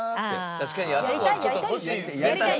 確かにあそこはちょっと欲しいですね。